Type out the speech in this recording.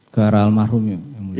ke almarhum yang mulia